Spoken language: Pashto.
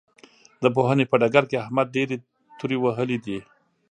د پوهنې په ډګر کې احمد ډېرې تورې وهلې دي.